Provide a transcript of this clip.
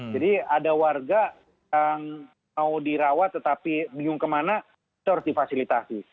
jadi ada warga yang mau dirawat tetapi bingung kemana itu harus difasilitasi